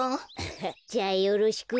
じゃあよろしく。